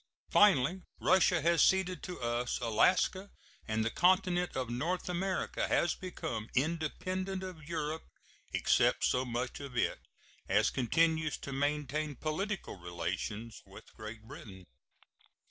Finally, Russia has ceded to us Alaska, and the continent of North America has become independent of Europe, except so much of it as continues to maintain political relations with Great Britain.